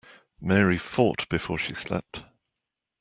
Mary fought before she slept.